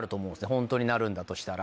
ホントになるんだとしたら。